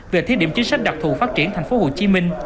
về thiết điểm chính sách đặc thù phát triển tp hcm